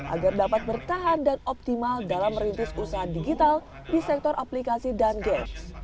agar dapat bertahan dan optimal dalam merintis usaha digital di sektor aplikasi dan games